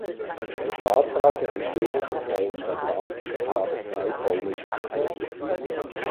Im Staatsrat der entstehenden Freien Stadt Danzig gab es zwei polnische Vertreter.